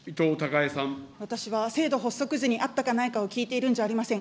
私は制度発足時にあったかないかを聞いているんじゃありません。